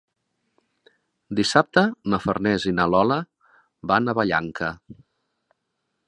Dissabte na Farners i na Lola van a Vallanca.